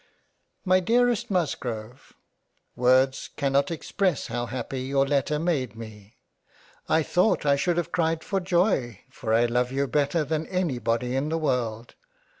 My dearest Musgrove . Words cannot express how happy your Letter made me ; I thought I should have cried for joy, for I love you better than any body in the World.